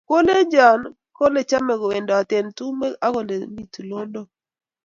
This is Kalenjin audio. Kolenjon kole chamei kowendote tumwek ak olemi tulondok